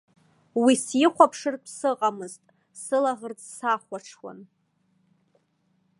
Уи сихәаԥшыртә сыҟамызт, сылаӷырӡ сахәаҽуан.